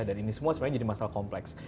dan ini semua sebenarnya jadi masalah kompleks